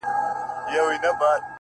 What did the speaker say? ده ناروا؛